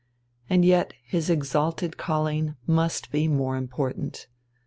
And yet his exalted calling must be more important.